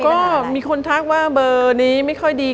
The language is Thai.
ก็มีคนทักว่าเบอร์นี้ไม่ค่อยดี